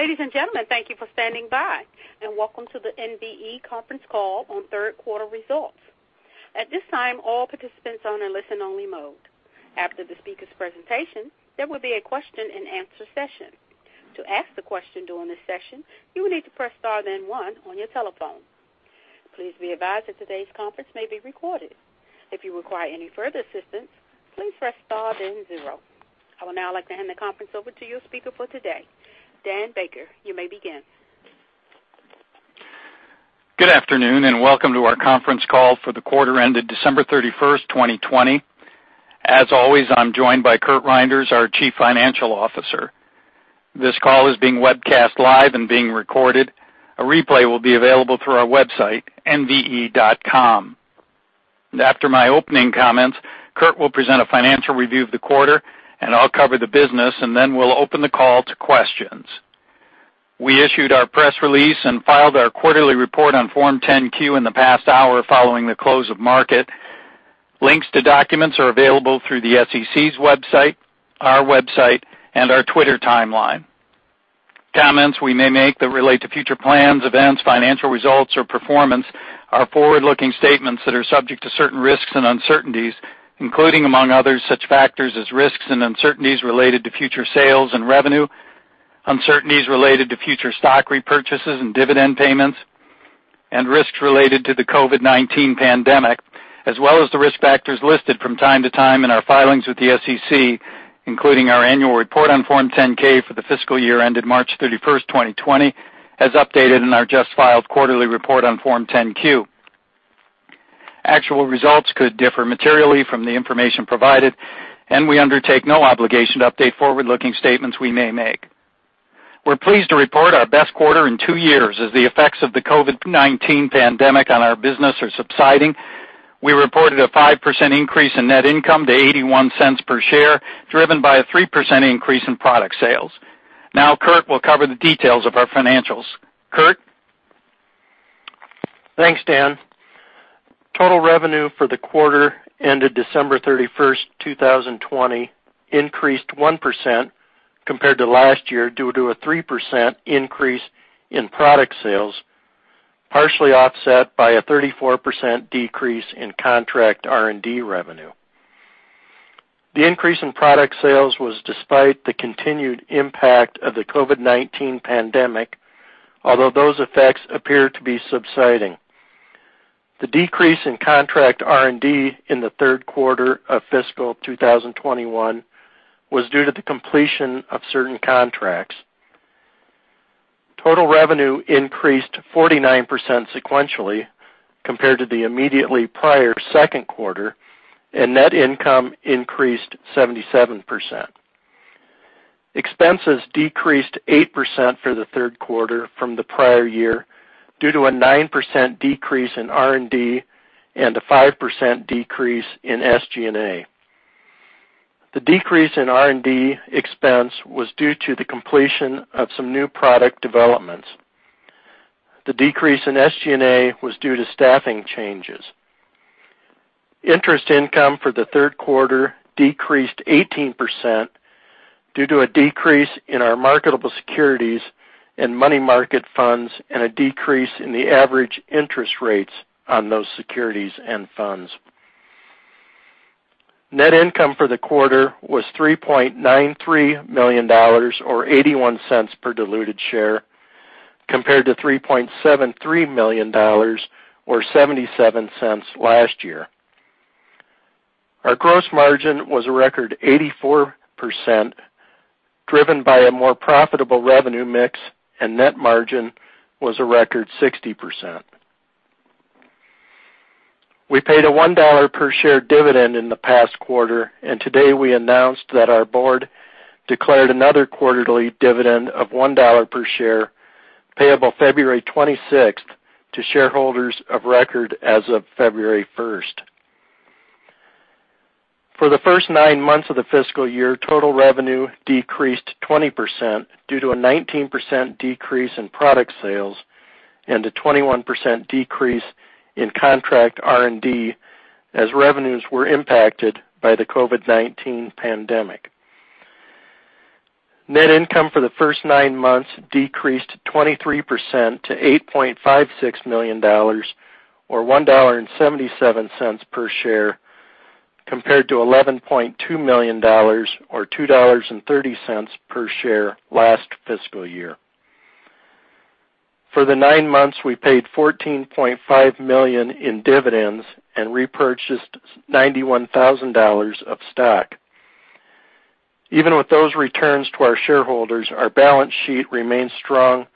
Ladies and gentlemen, thank you for standing by, and welcome to the NVE conference call on third quarter results. At this time, all participants are on a listen-only mode. After the speakers' presentation, there will be a question-and-answer session. To ask the question during this session, you will need to press star then one on your telephone. Please be advised that today's conference may be recorded. If you require any further assistance, please press star then zero. I would now like to hand the conference over to your speaker for today. Dan Baker, you may begin. Good afternoon, welcome to our conference call for the quarter ended December 31st, 2020. As always, I'm joined by Curt Reynders, our Chief Financial Officer. This call is being webcast live and being recorded. A replay will be available through our website, nve.com. After my opening comments, Curt will present a financial review of the quarter, and I'll cover the business, and then we'll open the call to questions. We issued our press release and filed our quarterly report on Form 10-Q in the past hour following the close of market. Links to documents are available through the SEC's website, our website, and our Twitter timeline. Comments we may make that relate to future plans, events, financial results, or performance are forward-looking statements that are subject to certain risks and uncertainties, including, among others, such factors as risks and uncertainties related to future sales and revenue, uncertainties related to future stock repurchases and dividend payments, and risks related to the COVID-19 pandemic, as well as the risk factors listed from time to time in our filings with the SEC, including our annual report on Form 10-K for the fiscal year ended March 31st, 2020, as updated in our just filed quarterly report on Form 10-Q. Actual results could differ materially from the information provided, and we undertake no obligation to update forward-looking statements we may make. We're pleased to report our best quarter in two years as the effects of the COVID-19 pandemic on our business are subsiding. We reported a 5% increase in net income to $0.81 per share, driven by a 3% increase in product sales. Curt will cover the details of our financials. Curt? Thanks, Dan. Total revenue for the quarter ended December 31st, 2020 increased 1% compared to last year due to a 3% increase in product sales, partially offset by a 34% decrease in contract R&D revenue. The increase in product sales was despite the continued impact of the COVID-19 pandemic, although those effects appear to be subsiding. The decrease in contract R&D in the third quarter of fiscal 2021 was due to the completion of certain contracts. Total revenue increased 49% sequentially compared to the immediately prior second quarter, and net income increased 77%. Expenses decreased 8% for the third quarter from the prior year due to a 9% decrease in R&D and a 5% decrease in SG&A. The decrease in R&D expense was due to the completion of some new product developments. The decrease in SG&A was due to staffing changes. Interest income for the third quarter decreased 18% due to a decrease in our marketable securities and money market funds and a decrease in the average interest rates on those securities and funds. Net income for the quarter was $3.93 million, or $0.81 per diluted share, compared to $3.73 million, or $0.77 last year. Our gross margin was a record 84%, driven by a more profitable revenue mix, and net margin was a record 60%. We paid a $1 per share dividend in the past quarter, and today we announced that our board declared another quarterly dividend of $1 per share, payable February 26th to shareholders of record as of February 1st. For the first nine months of the fiscal year, total revenue decreased 20% due to a 19% decrease in product sales and a 21% decrease in contract R&D as revenues were impacted by the COVID-19 pandemic. Net income for the first nine months decreased 23% to $8.56 million, or $1.77 per share, compared to $11.2 million, or $2.30 per share, last fiscal year. For the nine months, we paid $14.5 million in dividends and repurchased $91,000 of stock. Even with those returns to our shareholders, our balance sheet remains strong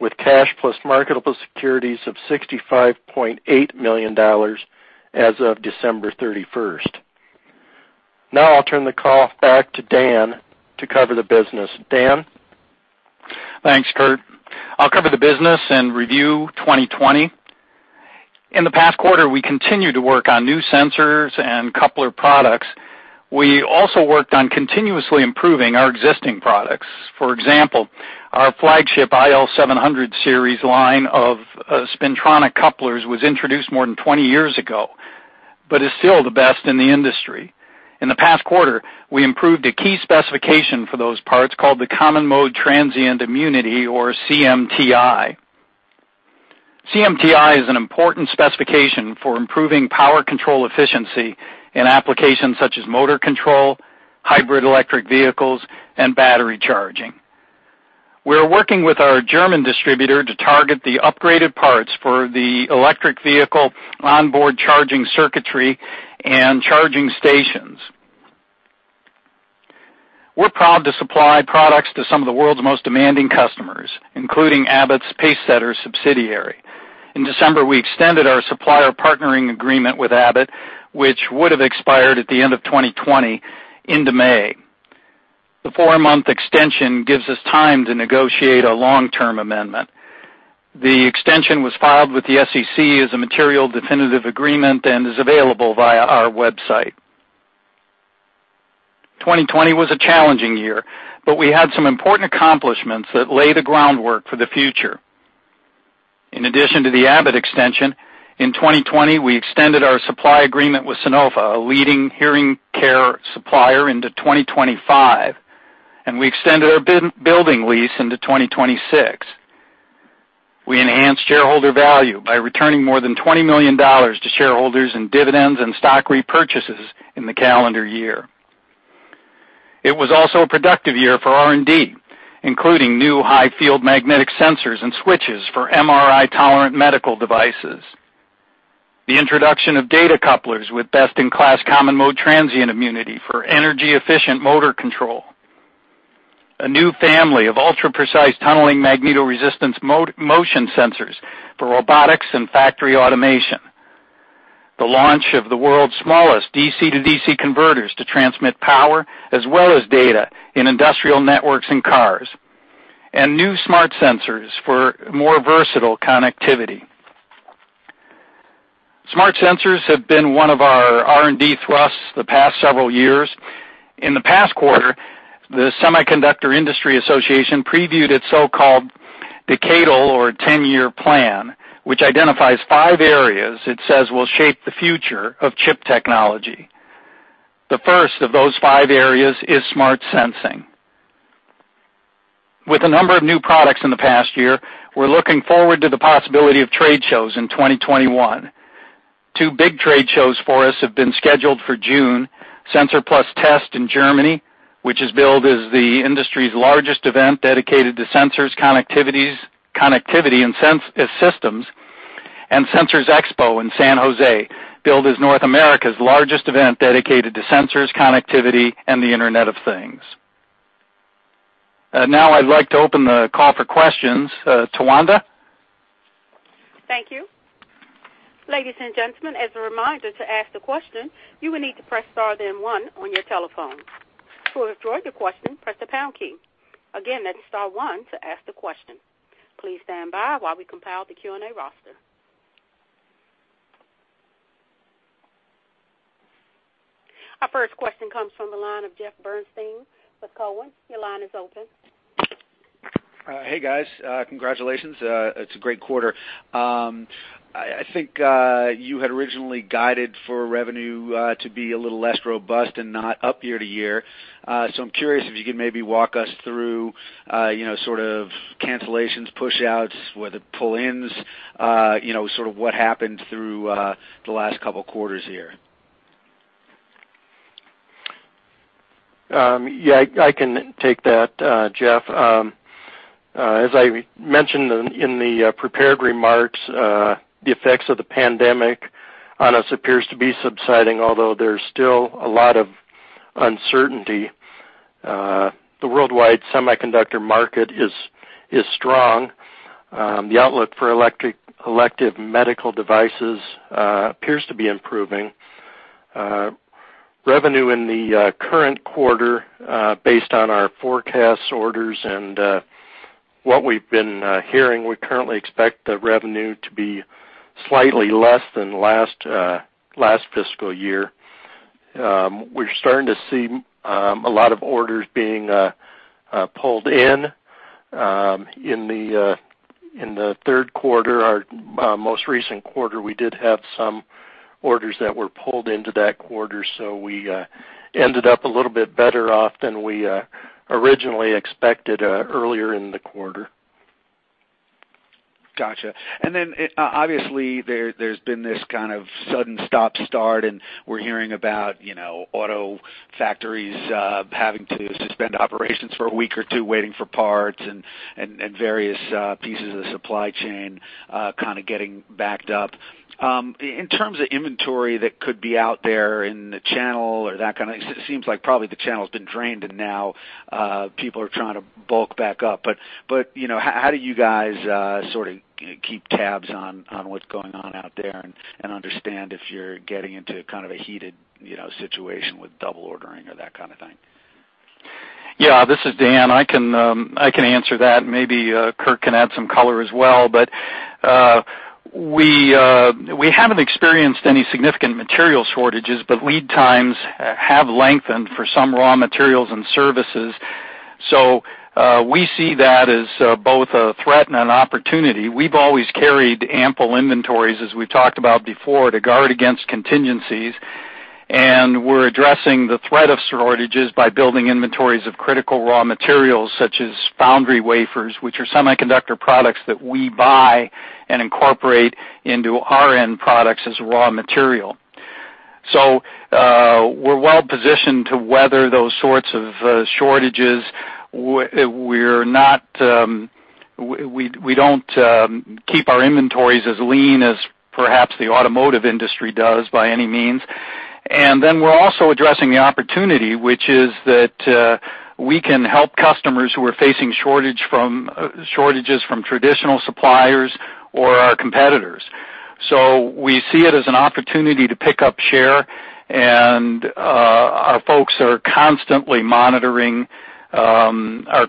with cash plus marketable securities of $65.8 million as of December 31st. Now, I'll turn the call back to Dan to cover the business. Dan? Thanks, Curt. I'll cover the business and review 2020. In the past quarter, we continued to work on new sensors and coupler products. We also worked on continuously improving our existing products. For example, our flagship IL700-Series line of spintronic couplers was introduced more than 20 years ago. Is still the best in the industry. In the past quarter, we improved a key specification for those parts called the common-mode transient immunity or CMTI. CMTI is an important specification for improving power control efficiency in applications such as motor control, hybrid electric vehicles, and battery charging. We're working with our German distributor to target the upgraded parts for the electric vehicle onboard charging circuitry and charging stations. We're proud to supply products to some of the world's most demanding customers, including Abbott's Pacesetter subsidiary. In December, we extended our supplier partnering agreement with Abbott, which would have expired at the end of 2020, into May. The four-month extension gives us time to negotiate a long-term amendment. The extension was filed with the SEC as a material definitive agreement and is available via our website. 2020 was a challenging year, but we had some important accomplishments that lay the groundwork for the future. In addition to the Abbott extension, in 2020, we extended our supply agreement with Sonova, a leading hearing care supplier, into 2025, and we extended our building lease into 2026. We enhanced shareholder value by returning more than $20 million to shareholders in dividends and stock repurchases in the calendar year. It was also a productive year for R&D, including new high field magnetic sensors and switches for MRI-tolerant medical devices, the introduction of data couplers with best-in-class common-mode transient immunity for energy-efficient motor control, a new family of ultra-precise tunneling magnetoresistance motion sensors for robotics and factory automation, the launch of the world's smallest DC-to-DC converters to transmit power as well as data in industrial networks and cars, and new smart sensors for more versatile connectivity. Smart sensors have been one of our R&D thrusts the past several years. In the past quarter, the Semiconductor Industry Association previewed its so-called decadal or 10-year plan, which identifies five areas it says will shape the future of chip technology. The first of those five areas is smart sensing. With a number of new products in the past year, we're looking forward to the possibility of trade shows in 2021. Two big trade shows for us have been scheduled for June, Sensor+Test in Germany, which is billed as the industry's largest event dedicated to sensors, connectivity, and systems, and Sensors Expo in San Jose, billed as North America's largest event dedicated to sensors, connectivity, and the Internet of Things. Now I'd like to open the call for questions. Tawanda? Thank you. Ladies and gentlemen, Our first question comes from the line of Jeff Bernstein with Cowen. Your line is open. Hey, guys. Congratulations. It's a great quarter. I think you had originally guided for revenue to be a little less robust and not up year-over-year. I'm curious if you could maybe walk us through cancellations, push-outs, were there pull-ins, what happened through the last couple of quarters here? Yeah, I can take that, Jeff. As I mentioned in the prepared remarks, the effects of the pandemic on us appears to be subsiding, although there's still a lot of uncertainty. The worldwide semiconductor market is strong. The outlook for elective medical devices appears to be improving. Revenue in the current quarter, based on our forecast orders and what we've been hearing, we currently expect the revenue to be slightly less than last fiscal year. We're starting to see a lot of orders being pulled in. In the third quarter, our most recent quarter, we did have some orders that were pulled into that quarter, so we ended up a little bit better off than we originally expected earlier in the quarter. Got you. Obviously, there's been this kind of sudden stop-start, and we're hearing about auto factories having to suspend operations for a week or two waiting for parts and various pieces of the supply chain kind of getting backed up. In terms of inventory that could be out there in the channel it seems like probably the channel's been drained and now people are trying to bulk back up. How do you guys sort of keep tabs on what's going on out there and understand if you're getting into kind of a heated situation with double ordering or that kind of thing? Yeah, this is Dan. I can answer that, and maybe Curt can add some color as well. Lead times have lengthened for some raw materials and services. We see that as both a threat and an opportunity. We've always carried ample inventories, as we've talked about before, to guard against contingencies, and we're addressing the threat of shortages by building inventories of critical raw materials, such as foundry wafers, which are semiconductor products that we buy and incorporate into our end products as raw material. We're well positioned to weather those sorts of shortages. We don't keep our inventories as lean as perhaps the automotive industry does by any means. Then we're also addressing the opportunity, which is that we can help customers who are facing shortages from traditional suppliers or our competitors. We see it as an opportunity to pick up share, and our folks are constantly monitoring our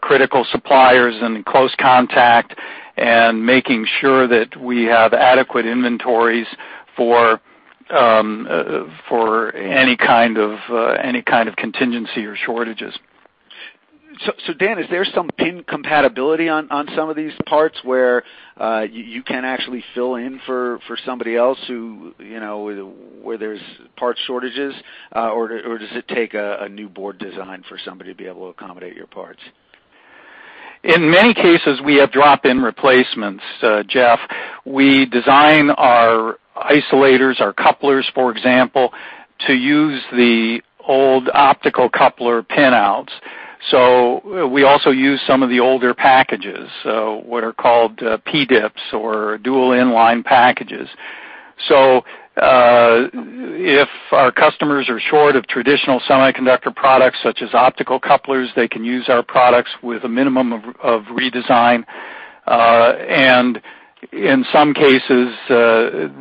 critical suppliers and in close contact and making sure that we have adequate inventories for any kind of contingency or shortages. Dan, is there some incompatibility on some of these parts where you can actually fill in for somebody else where there's part shortages, or does it take a new board design for somebody to be able to accommodate your parts? In many cases, we have drop-in replacements, Jeff. We design our isolators, our couplers, for example, to use the old optical coupler pin outs. We also use some of the older packages, what are called PDIPs or dual in-line packages. If our customers are short of traditional semiconductor products such as optical couplers, they can use our products with a minimum of redesign. In some cases,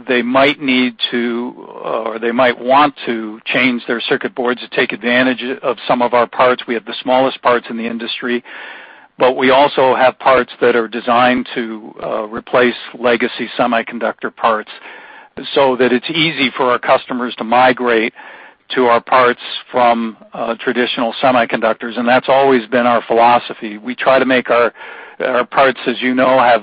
they might need to, or they might want to change their circuit boards to take advantage of some of our parts. We have the smallest parts in the industry, but we also have parts that are designed to replace legacy semiconductor parts so that it's easy for our customers to migrate to our parts from traditional semiconductors, and that's always been our philosophy. We try to make our parts, as you know, have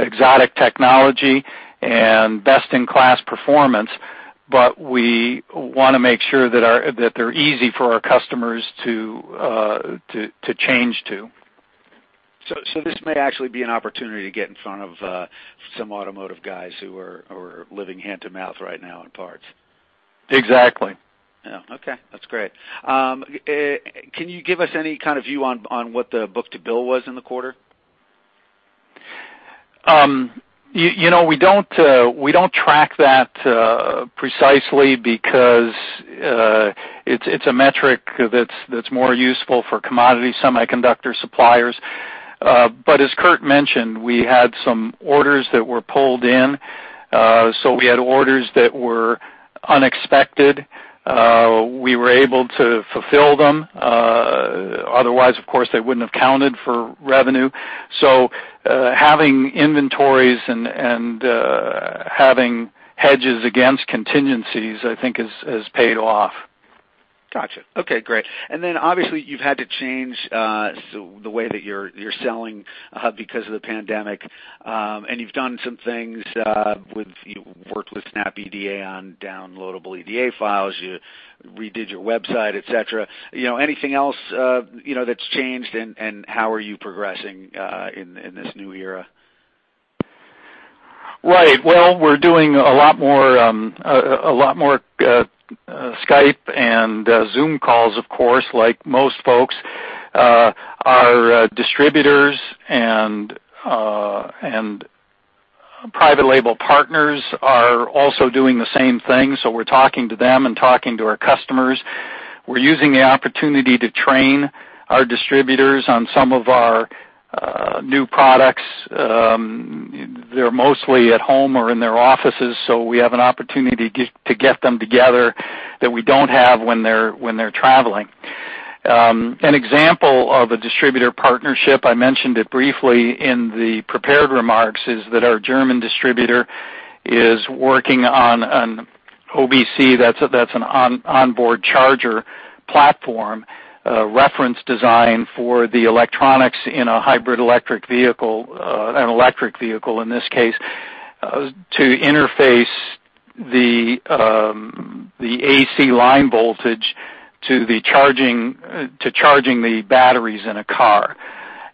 exotic technology and best-in-class performance, but we want to make sure that they're easy for our customers to change to. This may actually be an opportunity to get in front of some automotive guys who are living hand to mouth right now in parts. Exactly. Yeah. Okay, that's great. Can you give us any kind of view on what the book-to-bill was in the quarter? We don't track that precisely because it's a metric that's more useful for commodity semiconductor suppliers. As Curt mentioned, we had some orders that were pulled in. We had orders that were unexpected. We were able to fulfill them. Otherwise, of course, they wouldn't have counted for revenue. Having inventories and having hedges against contingencies, I think, has paid off. Got you. Okay, great. Obviously, you've had to change the way that you're selling because of the pandemic. You've done some things with work with SnapEDA on downloadable EDA files, you redid your website, et cetera. Anything else that's changed, and how are you progressing in this new era? Right. Well, we're doing a lot more Skype and Zoom calls, of course, like most folks. Our distributors and private label partners are also doing the same thing, so we're talking to them and talking to our customers. We're using the opportunity to train our distributors on some of our new products. They're mostly at home or in their offices, so we have an opportunity to get them together that we don't have when they're traveling. An example of a distributor partnership, I mentioned it briefly in the prepared remarks, is that our German distributor is working on an OBC, that's an onboard charger platform, reference design for the electronics in a hybrid electric vehicle, an electric vehicle in this case, to interface the AC line voltage to charging the batteries in a car.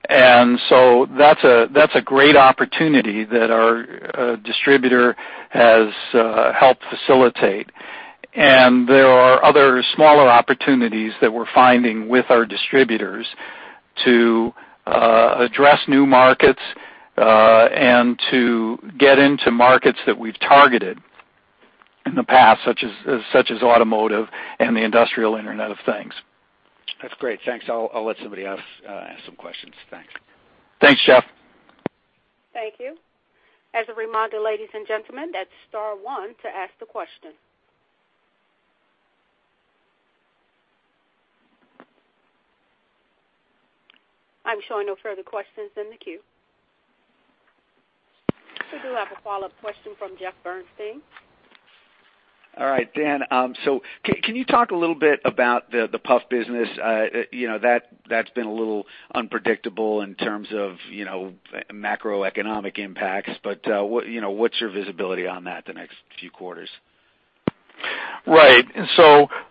That's a great opportunity that our distributor has helped facilitate. There are other smaller opportunities that we're finding with our distributors to address new markets, and to get into markets that we've targeted in the past, such as automotive and the industrial Internet of Things. That's great. Thanks. I'll let somebody else ask some questions. Thanks. Thanks, Jeff. Thank you. As a reminder, ladies and gentlemen, that's star one to ask the question. I'm showing no further questions in the queue. We do have a follow-up question from Jeff Bernstein. All right, Dan. Can you talk a little bit about the PUF business? That's been a little unpredictable in terms of macroeconomic impacts, but what's your visibility on that the next few quarters? Right.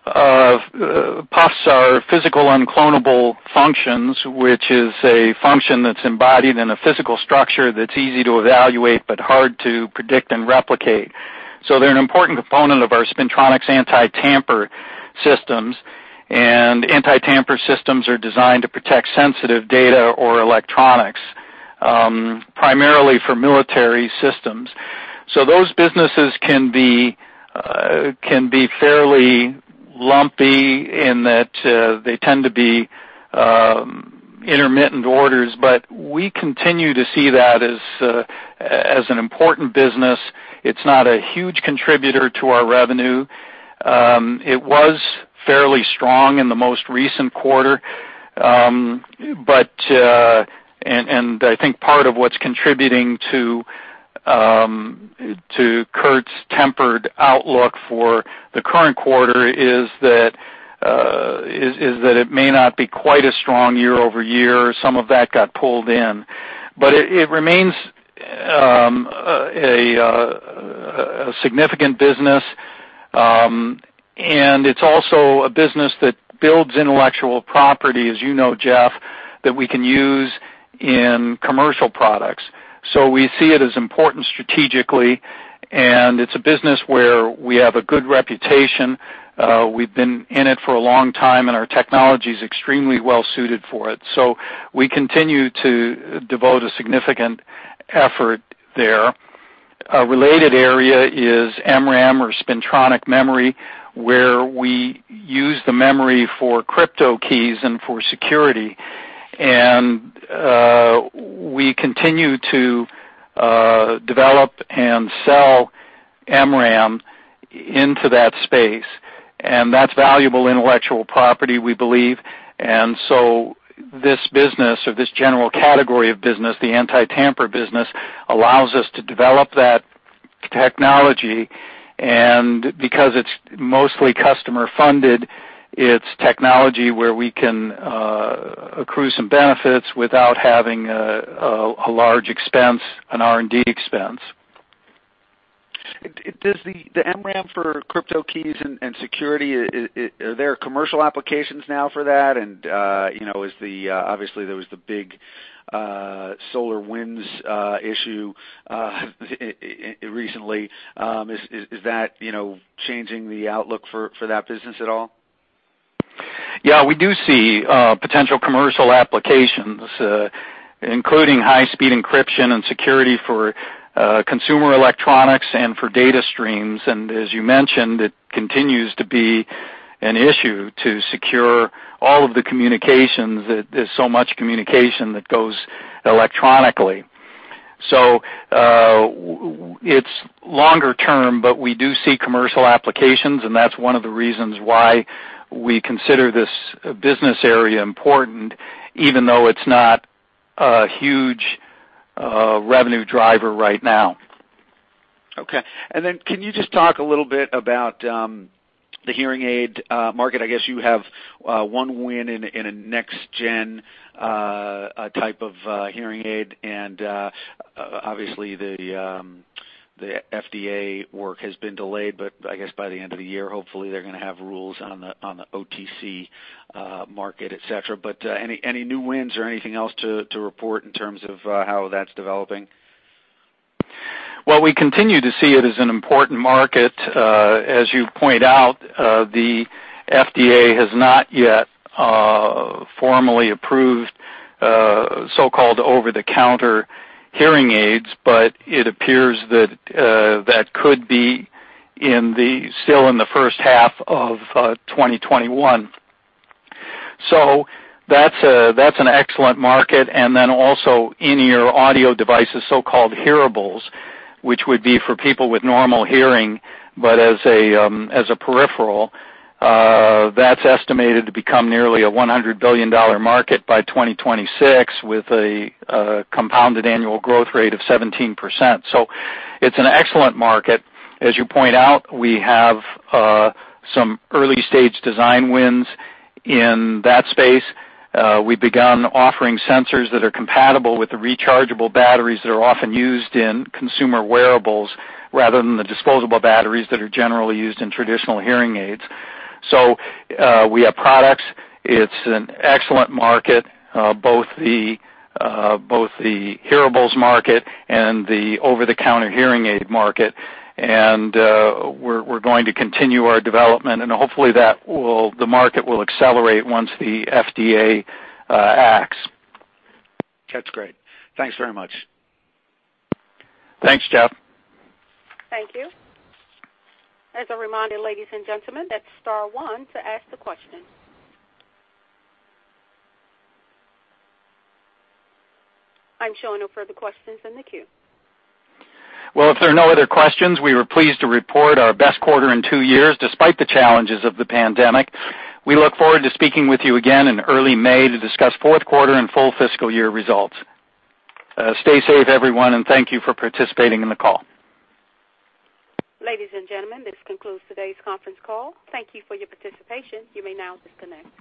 PUFs are physical unclonable functions, which is a function that's embodied in a physical structure that's easy to evaluate, but hard to predict and replicate. They're an important component of our spintronics anti-tamper systems, and anti-tamper systems are designed to protect sensitive data or electronics, primarily for military systems. Those businesses can be fairly lumpy in that they tend to be intermittent orders. We continue to see that as an important business. It's not a huge contributor to our revenue. It was fairly strong in the most recent quarter. I think part of what's contributing to Curt's tempered outlook for the current quarter is that it may not be quite as strong year-over-year. Some of that got pulled in. It remains a significant business. It's also a business that builds intellectual property, as you know, Jeff, that we can use in commercial products. We see it as important strategically, and it's a business where we have a good reputation. We've been in it for a long time, and our technology's extremely well-suited for it. We continue to devote a significant effort there. A related area is MRAM or spintronic memory, where we use the memory for crypto keys and for security. We continue to develop and sell MRAM into that space, and that's valuable intellectual property, we believe. This business or this general category of business, the anti-tamper business, allows us to develop that technology. Because it's mostly customer-funded, it's technology where we can accrue some benefits without having a large expense, an R&D expense. Does the MRAM for crypto keys and security, are there commercial applications now for that? Obviously, there was the big SolarWinds issue recently. Is that changing the outlook for that business at all? Yeah, we do see potential commercial applications, including high-speed encryption and security for consumer electronics and for data streams. As you mentioned, it continues to be an issue to secure all of the communications. There's so much communication that goes electronically. It's longer term, but we do see commercial applications, and that's one of the reasons why we consider this business area important, even though it's not a huge revenue driver right now. Okay. Can you just talk a little bit about the hearing aid market? I guess you have one win in a next-gen type of hearing aid, and obviously, the FDA work has been delayed, but I guess by the end of the year, hopefully they're going to have rules on the OTC market, et cetera. Any new wins or anything else to report in terms of how that's developing? We continue to see it as an important market. As you point out, the FDA has not yet formally approved so-called over-the-counter hearing aids, but it appears that that could be still in the first half of 2021. That's an excellent market. Also in-ear audio devices, so-called hearables, which would be for people with normal hearing, but as a peripheral, that's estimated to become nearly a $100 billion market by 2026, with a compounded annual growth rate of 17%. It's an excellent market. As you point out, we have some early-stage design wins in that space. We've begun offering sensors that are compatible with the rechargeable batteries that are often used in consumer wearables rather than the disposable batteries that are generally used in traditional hearing aids. We have products. It's an excellent market, both the hearables market and the over-the-counter hearing aid market, and we're going to continue our development, and hopefully, the market will accelerate once the FDA acts. That's great. Thanks very much. Thanks, Jeff. Thank you. As a reminder, ladies and gentlemen, that's star one to ask the question. I'm showing no further questions in the queue. Well, if there are no other questions, we were pleased to report our best quarter in two years, despite the challenges of the pandemic. We look forward to speaking with you again in early May to discuss fourth quarter and full fiscal year results. Stay safe, everyone, and thank you for participating in the call. Ladies and gentlemen, this concludes today's conference call. Thank you for your participation. You may now disconnect.